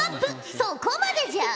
そこまでじゃ！